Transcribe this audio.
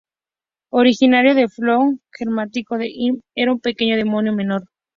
Originario del folklore germánico, el Imp era un pequeño demonio menor.